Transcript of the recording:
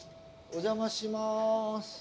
お邪魔します。